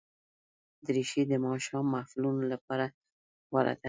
دریشي د ماښام محفلونو لپاره غوره ده.